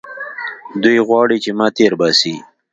دوى غواړي چې ما تېر باسي.